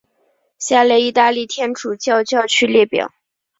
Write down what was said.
下列意大利天主教教区列表。